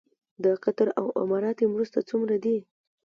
د قطر او اماراتو مرستې څومره دي؟